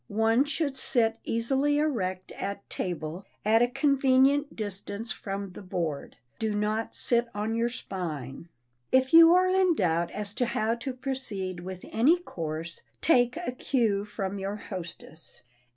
One should sit easily erect at table at a convenient distance from the board. Do not sit on your spine. If you are in doubt as to how to proceed with any course, take a cue from your hostess.